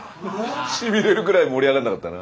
しびれるぐらい盛り上がんなかったな。